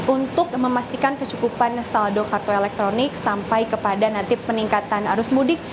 untuk memastikan kecukupan saldo kartu elektronik sampai kepada nanti peningkatan arus mudik